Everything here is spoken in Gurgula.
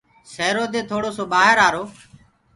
سيرو دي ٿوڙو سو ڀآهر آرو۔